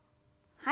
はい。